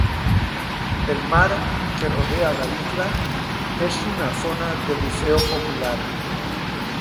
El mar que rodea la isla es una zona de buceo popular.